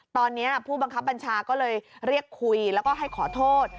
ตอนนี้ผู้บังคับบัญชาก็เลยเรียกคุยแล้วก็ให้ขอโทษ